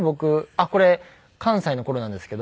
あっこれ関西の頃なんですけど。